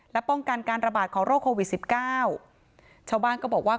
และป้องกันการระบาดของโรคโควิดสิบเก้าชาวบ้านก็บอกว่า